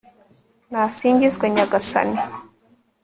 nasingizwe nyagasani